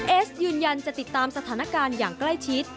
เอสยืนยันจะติดตามสถานการณ์อย่างใกล้ชิด